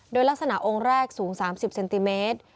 โดยลักษณะองค์แรกสูง๓๐เซนติเมตร